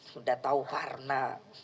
sudah tau parna